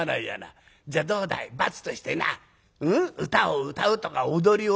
じゃどうだい罰としてな歌を歌うとか踊りを」。